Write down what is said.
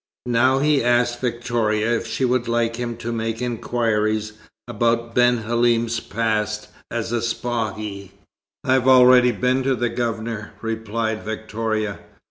Now he asked Victoria if she would like him to make inquiries about Ben Halim's past as a Spahi? "I've already been to the Governor," replied Victoria.